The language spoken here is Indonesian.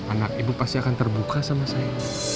anak ibu pasti akan terbuka sama saya